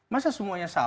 masa semuanya sama